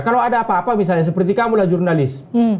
kalau ada apa apa misalnya seperti kamu lah jurnalis